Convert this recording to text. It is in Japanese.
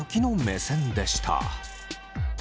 目線でした。